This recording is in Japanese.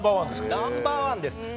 ナンバー１です。